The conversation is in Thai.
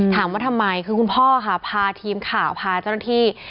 ถามว่าทำไมคือคุณพ่อค่ะพาทีมข่าวพาเจ้าหน้าที่